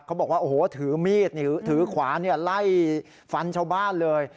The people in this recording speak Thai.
เขาบอกว่าโอ้โหถือมีดถือขวาไล่ฟันชาวบ้านเลย